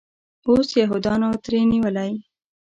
اوس یهودانو ترې نیولی.